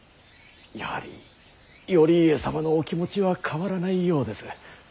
やはり頼家様のお気持ちは変わらないようです。